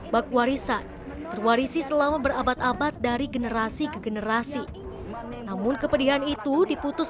bakwarisan terwarisi selama berabad abad dari generasi ke generasi namun kepedihan itu diputus